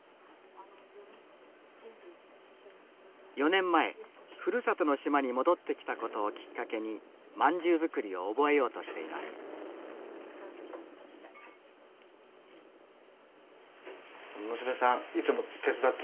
４年前ふるさとの島に戻ってきた事をきっかけに饅頭作りを覚えようとしています娘さんいつも手伝ってるんですか？